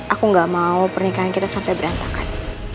aku gak mau pernikahan kita sampai berantakan